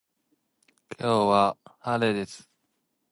今日は晴れです。